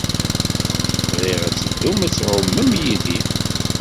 Bɣiɣ ad d-teddum ad tɛumem yid-i.